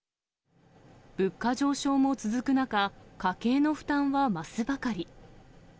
物価上昇も続く中、家計の負担は増すばかり。